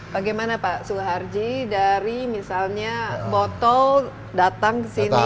bagaimana pak suharji dari misalnya botol datang ke sini